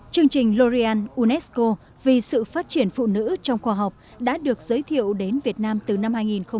chương trình l oreal unesco vì sự phát triển phụ nữ trong khoa học đã được giới thiệu đến việt nam từ năm hai nghìn chín